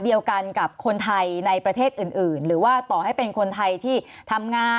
เดียวกันกับคนไทยในประเทศอื่นหรือว่าต่อให้เป็นคนไทยที่ทำงาน